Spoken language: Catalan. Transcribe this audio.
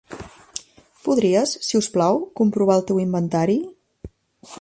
Podries, si us plau, comprovar el teu inventari?